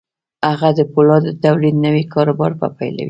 هغه د پولادو د تولید نوی کاروبار به پیلوي